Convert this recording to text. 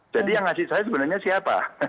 jadi yang ngasih saya sebenarnya siapa